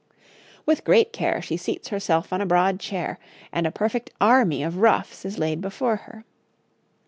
] With great care she seats herself on a broad chair, and a perfect army of ruffs is laid before her.